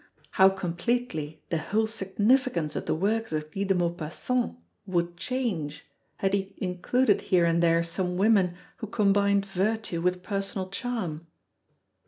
How completely the whole significance of the works of Guy de Maupassant would change had he included here and there some women who combined virtue with personal charm!